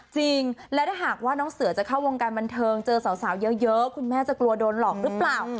จริงและถ้าหากว่าน้องเสือจะเข้าวงการบันเทิงเจอสาวเยอะคุณแม่จะกลัวโดนหลอกหรือเปล่า